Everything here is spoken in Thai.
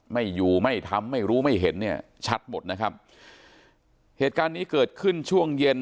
ไม่อยู่ไม่ทำไม่รู้ไม่เห็นเนี่ยชัดหมดนะครับเหตุการณ์นี้เกิดขึ้นช่วงเย็น